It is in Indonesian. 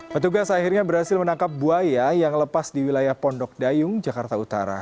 petugas akhirnya berhasil menangkap buaya yang lepas di wilayah pondok dayung jakarta utara